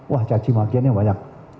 wah caci makiannya banyak